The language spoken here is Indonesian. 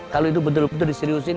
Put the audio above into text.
kalau itu betul betul diseriusin